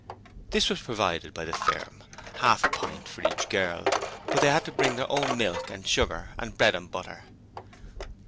This was provided by the firm half a pint for each girl, but they had to bring their own milk and sugar and bread and butter.